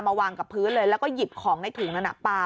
วางกับพื้นเลยแล้วก็หยิบของในถุงนั้นปลา